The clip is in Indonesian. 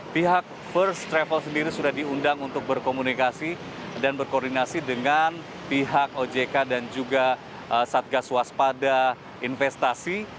pihak first travel sendiri sudah diundang untuk berkomunikasi dan berkoordinasi dengan pihak ojk dan juga satgas waspada investasi